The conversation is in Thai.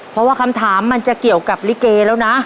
เพราะว่าคำถามมันจะเกี่ยวกับลิเกแล้วนะ